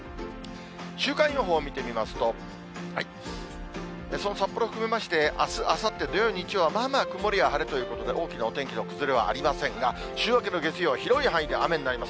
週間予報見てみますと、その札幌含めまして、あすあさって土曜、日曜はまあまあ曇りや晴れというということで、大きなお天気の崩れはありませんが、週明けの月曜、広い範囲で雨になります。